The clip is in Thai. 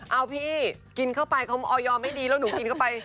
เอาพี่กินเข้าไปเขาออยอมไม่ดีแล้วหนูกินเข้าไป